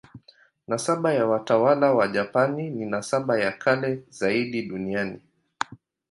Nasaba ya watawala wa Japani ni nasaba ya kale zaidi duniani.